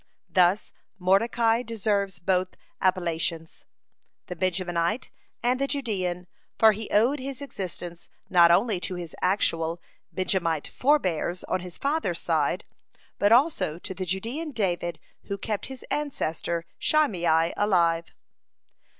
Thus Mordecai deserves both appellations, the Benjamite and the Judean, for he owed his existence not only to his actual Benjamite forebears on his father's side, but also to the Judean David, who kept his ancestor Shimei alive.